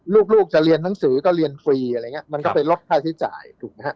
ลูกจะเรียนหนังสือก็เรียนฟรีมันก็ไปลดค่าใช้จ่าย